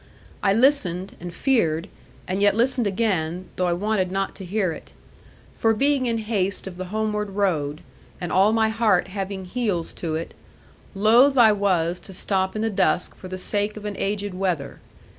I listened, and feared, and yet listened again, though I wanted not to hear it. For being in haste of the homeward road, and all my heart having heels to it, loath I was to stop in the dusk for the sake of an aged wether.